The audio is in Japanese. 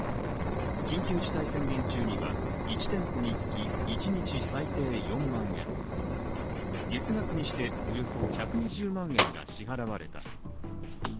緊急事態宣言中には１店舗につき一日最低４万円、月額にしておよそ１２０万円が支払われた。